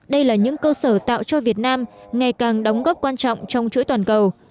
đây là những cơ sở tạo cho việt nam ngày càng đóng góp quan trọng trong chuỗi toàn cầu